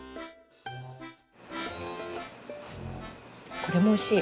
これもおいしい。